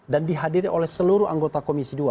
dan dihadiri oleh seluruh anggota komisi dua